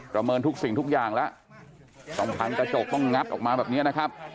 เมินทุกสิ่งทุกอย่างแล้วต้องพังกระจกต้องงัดออกมาแบบนี้นะครับ